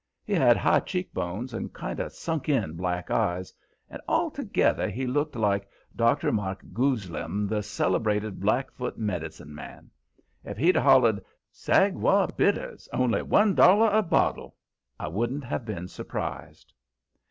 He had high cheek bones and kind of sunk in black eyes, and altogether he looked like "Dr. Macgoozleum, the Celebrated Blackfoot Medicine Man." If he'd hollered: "Sagwa Bitters, only one dollar a bottle!" I wouldn't have been surprised.